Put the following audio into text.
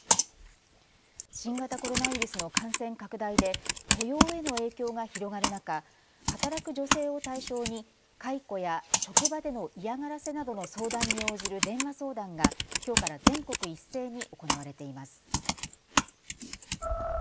新型コロナウイルスの感染拡大で雇用への影響が広がる中、働く女性を対象に解雇や職場での嫌がらせなどの相談に応じる電話相談がきょうから全国一斉に行われています。